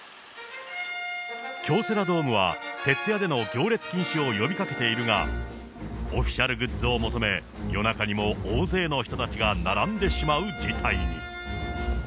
京セラドームは、徹夜での行列禁止を呼びかけているが、オフィシャルグッズを求め、夜中にも大勢の人たちが並んでしまう事態に。